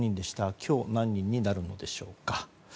今日、何人になるのでしょうか。